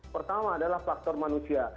pertama adalah faktor manusia